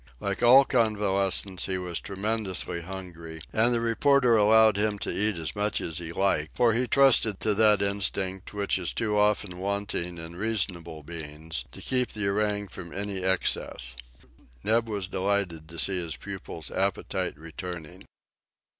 Like all convalescents, he was tremendously hungry, and the reporter allowed him to eat as much as he liked, for he trusted to that instinct, which is too often wanting in reasoning beings, to keep the orang from any excess. Neb was delighted to see his pupil's appetite returning.